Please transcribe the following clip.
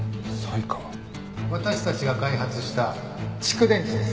私たちが開発した蓄電池です。